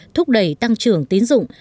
thúc đẩy tăng trưởng tín dụng